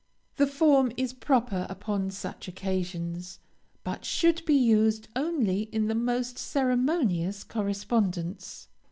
The form is proper upon such occasions, but should be used only in the most ceremonious correspondence.